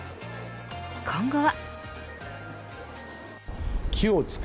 今後は。